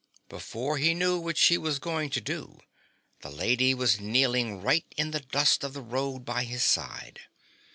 Before he knew what she was going to do, the lady was kneeling right in the dust of the road by his side.